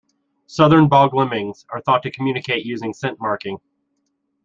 Southern bog lemmings are thought to communicate using scent marking.